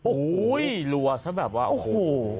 โอ้โหรัวซะแบบว่าโอ้โห